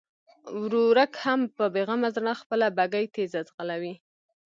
ورورک هم په بېغمه زړه خپله بګۍ تېزه ځغلوي.